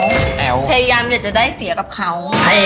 พยายามอยากจะได้เสียกับเขา